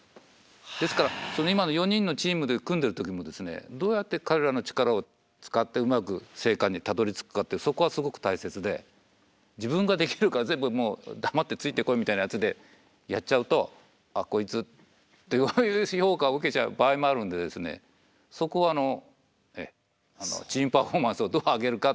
ですからその今の４人のチームで組んでる時もどうやって彼らの力を使ってうまく生還にたどりつくかってそこはすごく大切で自分ができるから全部もう黙ってついてこいみたいやつでやっちゃうと「あっこいつ」ってこういう評価を受けちゃう場合もあるんでそこはチームパフォーマンスをどう上げるかという意味では大切です。